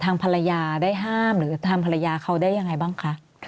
ทางภรรยาได้ห้ามหรือทางภรรยาเขาได้ยังไงบ้างคะ